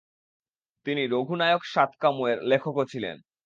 তিনি "রঘুনায়ক সাতকামু" এর লেখকও ছিলেন।